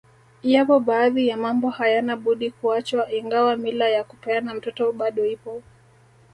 Yapo baadhi ya mambo hayana budi kuachwa ingawa mila ya kupeana mtoto bado ipo